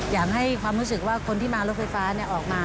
อยากให้ความรู้สึกว่าคนที่มารถไฟฟ้าออกมา